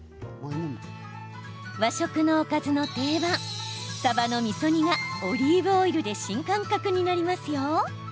和食のおかずの定番さばのみそ煮がオリーブオイルで新感覚になりますよ。